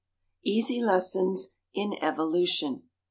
EASY LESSONS IN EVOLUTION.